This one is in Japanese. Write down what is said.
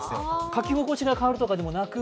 書き心地が変わるとかでもなく？